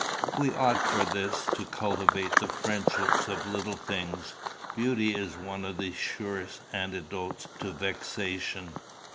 We ought for this to cultivate the friendships of little things. Beauty is one of the surest antidotes to vexation.